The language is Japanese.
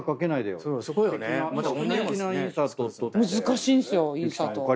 難しいんすよインサート。